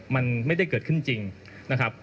มันไม่ได้เกิดขึ้นจริงนะครับ